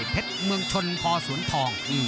เพชรเมืองชนพสวนทอง